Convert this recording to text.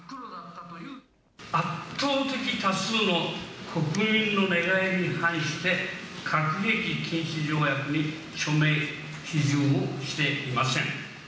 圧倒的多数の国民の願いに反して、核兵器禁止条約に署名・批准をしていません。